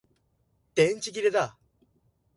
電池切れだ